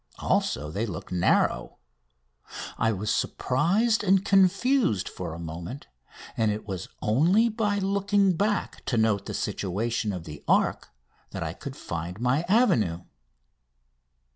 Also, they look narrow. I was surprised and confused for a moment, and it was only by looking back to note the situation of the Arc that I could find my avenue.